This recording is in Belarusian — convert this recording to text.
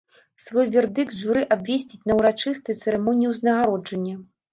Свой вердыкт журы абвесціць на ўрачыстай цырымоніі ўзнагароджання.